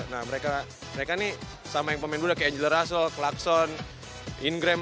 nah mereka nih sama yang pemain muda kayak angela russell clarkson inggram